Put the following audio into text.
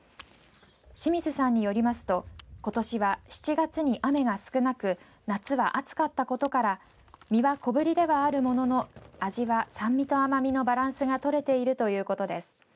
清水さんによりますとことしは７月に雨が少なく夏は暑かったことから実は小ぶりではあるものの味は酸味と甘みのバランスがとれているということです。